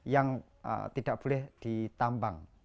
yang tidak boleh ditambang